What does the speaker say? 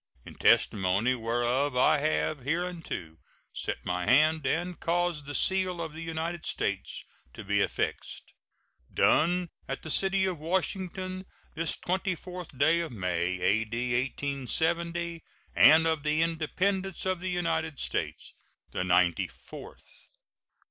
In testimony whereof I have hereunto set my hand and caused the seal of the United States to be affixed. [SEAL.] Done at the city of Washington, this 24th day of May, A.D. 1870, and of the Independence of the United States the ninety fourth.